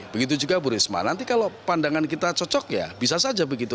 begitu juga bu risma nanti kalau pandangan kita cocok ya bisa saja begitu